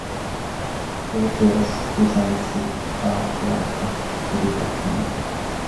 Phótiosz bizánci pátriárka térítette meg.